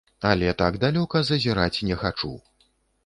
Але так далёка зазіраць не хачу.